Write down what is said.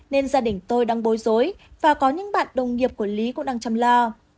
nên gia đình tôi đang bối rối và có những bạn đồng nghiệp của lý cũng đang chăm lo